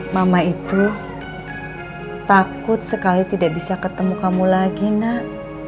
mama itu takut sekali tidak bisa ketemu kamu lagi nak